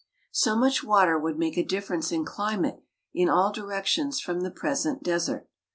So much water would make a difference in climate in all directions from the present desert.